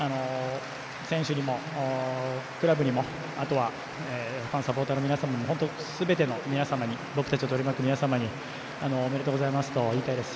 選手にもクラブにもあとはサポーターの皆さんにもすべての皆様に僕たちを取り巻く皆様におめでとうございますと言いたいです。